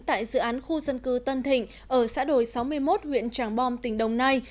tại dự án khu dân cư tân thịnh ở xã đồi sáu mươi một huyện tràng bom tỉnh đồng nai